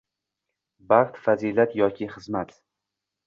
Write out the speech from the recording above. Baxt - fazilat yoki xizmat.